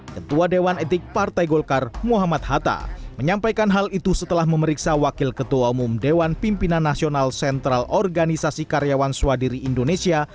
ketua dewan etik partai golkar muhammad hatta menyampaikan hal itu setelah memeriksa wakil ketua umum dewan pimpinan nasional sentral organisasi karyawan swadiri indonesia